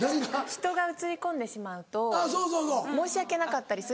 人が写り込んでしまうと申し訳なかったりする。